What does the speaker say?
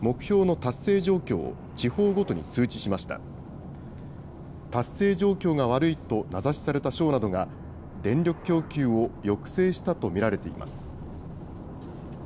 達成状況が悪いと名指しされた省などが、電力供給を抑制したと見られています。